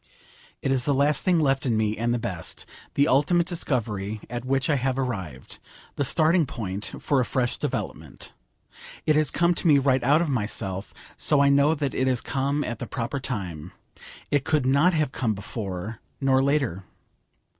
It is the last thing left in me, and the best: the ultimate discovery at which I have arrived, the starting point for a fresh development. It has come to me right out of myself, so I know that it has come at the proper time. It could not have come before, nor later.